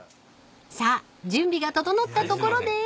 ［さあ準備が整ったところで］